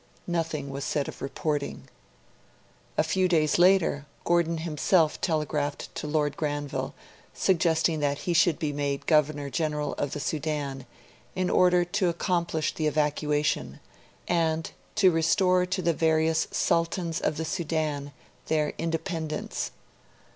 Nothing was said of reporting. A few days later, Gordon himself telegraphed to Lord Granville suggesting that he should be made Governor General of the Sudan, in order to 'accomplish the evacuation', and to 'restore to the various Sultans of the Sudan their independence'.